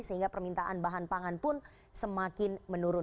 sehingga permintaan bahan pangan pun semakin menurun